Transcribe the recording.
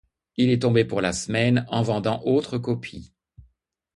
Il est tombé pour la semaine, en vendant autres copies.